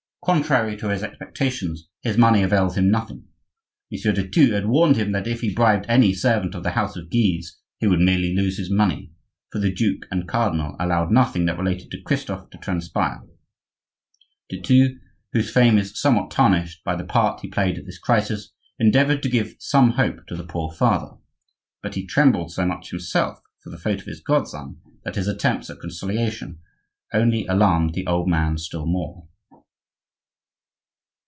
Contrary to his expectations, his money availed him nothing; Monsieur de Thou had warned him that if he bribed any servant of the house of Guise he would merely lose his money, for the duke and cardinal allowed nothing that related to Christophe to transpire. De Thou, whose fame is somewhat tarnished by the part he played at this crisis, endeavored to give some hope to the poor father; but he trembled so much himself for the fate of his godson that his attempts at consolation only alarmed the old man still more.